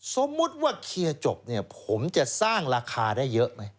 สมมุติว่าเคลียร์จบเนี่ยผมจะสร้างราคาได้เยอะไหม